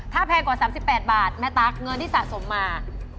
ถ้าแพงกว่า๓๘บาทแม่ตั๊กเงินที่สะสมมา